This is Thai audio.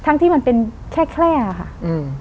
ที่มันเป็นแค่แคล่ค่ะอืม